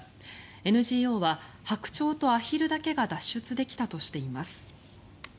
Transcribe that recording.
ＮＧＯは白鳥とアヒルだけが脱出できたとしています。